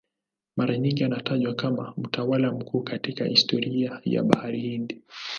Mara nyingi anatajwa kama mtawala mkuu katika historia ya Bara Hindi.